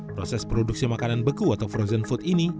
proses produksi makanan beku atau frozen food ini